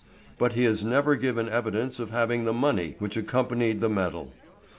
But he has never given evidence of having the money which accompanied the medal.